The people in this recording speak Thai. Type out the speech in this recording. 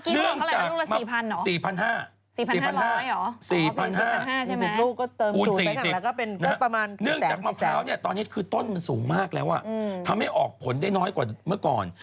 เนื่องจากมะพร้าวเนี่ยตอนนี้คือต้นมันสูงมากแล้วอ่ะทำให้ออกผลได้น้อยกว่าเมื่อก่อน